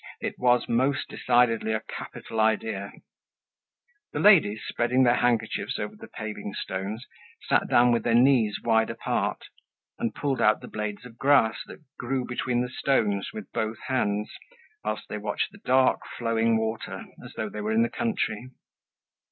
It was, most decidedly a capital idea! The ladies, spreading their handkerchiefs over the paving stones, sat down with their knees wide apart, and pulled out the blades of grass that grew between the stones with both hands, whilst they watched the dark flowing water as though they were in the country.